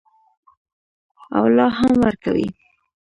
او لا هم ورکوي.